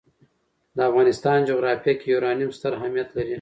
د افغانستان جغرافیه کې یورانیم ستر اهمیت لري.